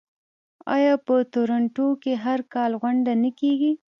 آیا په تورنټو کې هر کال غونډه نه کیږي؟